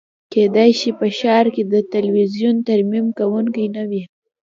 کیدای شي په ښار کې د تلویزیون ترمیم کونکی نه وي